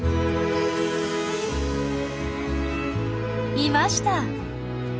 いました！